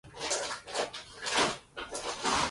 په دې کار کې باید د خلکو لپاره د ګډون امکان وي.